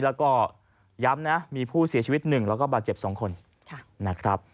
และย้ำมีผู้เสียชีวิต๑และบาดเจ็บ๒คน